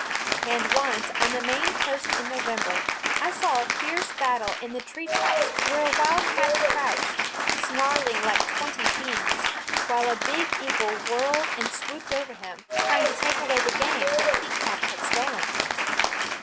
And once, on the Maine coast in November, I saw a fierce battle in the tree tops where a wildcat crouched, snarling like twenty fiends, while a big eagle whirled and swooped over him, trying to take away the game that Pekompf had stolen.